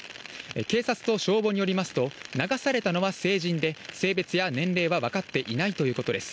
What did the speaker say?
警察と消防によりますと、流されたのは成人で、性別や年齢は分かっていないということです。